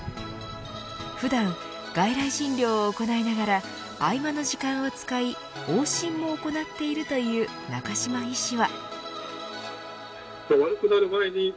普段、外来診療を行いながら合間の時間を使い往診も行っているという中嶋医師は。